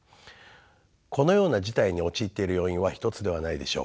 このような事態に陥っている要因は１つではないでしょう。